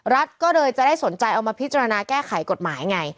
รัฐก็เลยจะได้สนใจเอามาพิจารณาแก้ไขกฎหมายไง